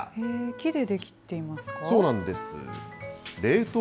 木で出来ていますか。